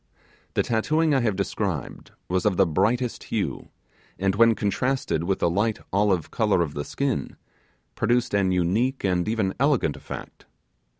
The tattooing I have described was of the brightest blue, and when contrasted with the light olive colour of the skin, produced an unique and even elegant effect.